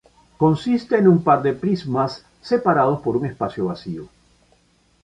Consiste en un par de prismas separados por un espacio vacío.